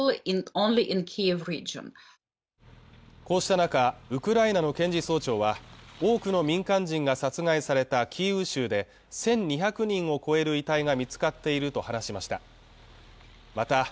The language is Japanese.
こうした中ウクライナの検事総長は多くの民間人が殺害されたキーウ州で１２００人を超える遺体が見つかっていると話しました